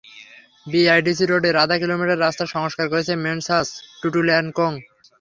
BIDC রোডের আধা kilometre রাস্তার সংস্কার করেছে মেসার্স টুটুল অ্যান্ড কোং।